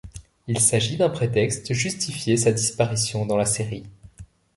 Il s'agit d'un prétexte justifier sa disparition dans la série.